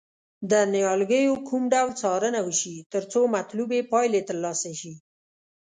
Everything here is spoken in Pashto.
د نیالګیو کوم ډول څارنه وشي ترڅو مطلوبې پایلې ترلاسه شي.